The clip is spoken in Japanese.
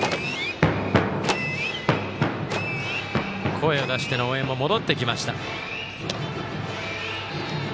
声を出しての応援も戻ってきました。